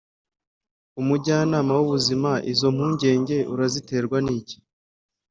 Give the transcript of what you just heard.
Umujyanama w ubuzima Izo mpungenge uraziterwa n iki